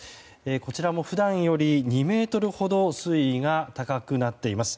こちらも普段より２ｍほど水位が高くなっています。